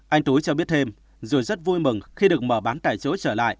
anh tú cho biết thêm rồi rất vui mừng khi được mở bán tại chỗ trở lại